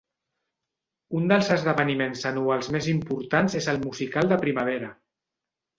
Un dels esdeveniments anuals més importants és el musical de primavera.